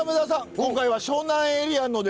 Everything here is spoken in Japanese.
今回は湘南エリアのですね